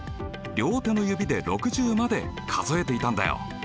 両手の指で６０まで数えていたんだよ。